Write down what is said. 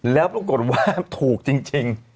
แล้วปรากฏว่าถูกจริง